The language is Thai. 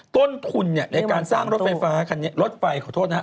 ต้นทุ่นเนี่ยในการสร้างรถไฟฟ้า